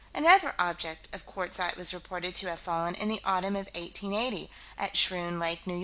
Another object of quartzite was reported to have fallen, in the autumn of 1880, at Schroon Lake, N.Y.